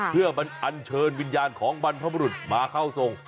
เพื่อมันอันเชิญวิญญาณของบรรพบรุษมาเข้าทรง